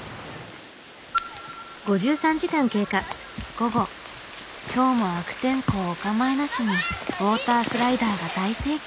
午後今日も悪天候おかまいなしにウォータースライダーが大盛況。